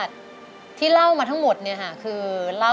ทั้งในเรื่องของการทำงานเคยทำนานแล้วเกิดปัญหาน้อย